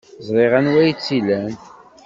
Ẓriɣ anwa ay tt-ilan.